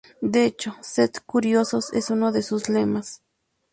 De hecho, "Sed curiosos" es uno de sus lemas.